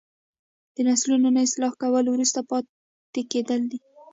د نسلونو نه اصلاح کول وروسته پاتې کیدل دي.